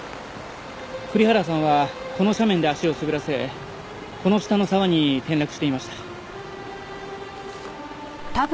栗原さんはこの斜面で足を滑らせこの下の沢に転落していました。